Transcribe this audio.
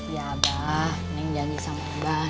ya abah neng janji sama abah